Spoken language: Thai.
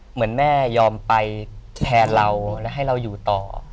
เหมือนแม่ยอมไปแทนเราและให้เราอยู่ต่อ